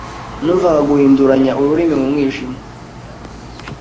Numvaga guhinduranya urumuri mu mwijima.